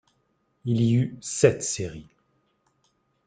Il y eut sept séries.